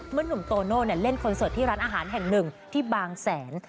หนุ่มโตโน่เล่นคอนเสิร์ตที่ร้านอาหารแห่งหนึ่งที่บางแสน